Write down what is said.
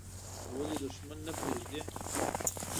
ولې دوښمن ته نه بړېږې.